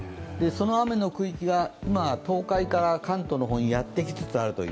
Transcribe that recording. その雨の区域が東海から関東の方にやってきつつあると。